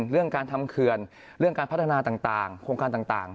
เรื่องการทำเขื่อนเรื่องการพัฒนาต่างโครงการต่าง